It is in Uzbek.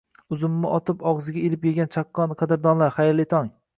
Uzumni otib og'izda ilib yegan chaqqon qadrdonlar, xayrli tong!